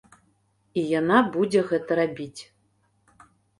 І яна будзе гэта рабіць.